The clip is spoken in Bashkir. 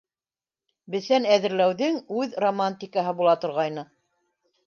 Бесән әҙерләүҙең үҙ романтикаһы була торғайны.